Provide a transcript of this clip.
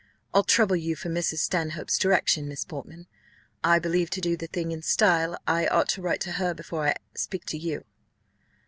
I'll trouble you for Mrs. Stanhope's direction, Miss Portman; I believe, to do the thing in style, I ought to write to her before I speak to you."